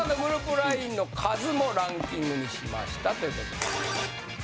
ＬＩＮＥの数もランキングにしましたという事で。